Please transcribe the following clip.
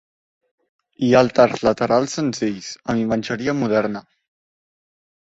Hi ha altars laterals senzills amb imatgeria moderna.